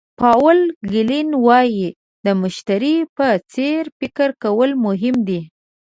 پاول ګیلن وایي د مشتري په څېر فکر کول مهم دي.